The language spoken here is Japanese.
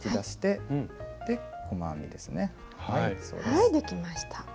はいできました。